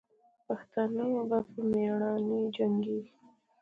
پښتانه به په میړانې جنګېږي.